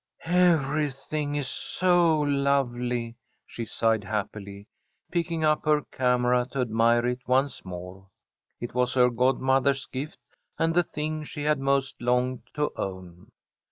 "Everything is so lovely!" she sighed, happily, picking up her camera to admire it once more. It was her godmother's gift, and the thing she had most longed to own.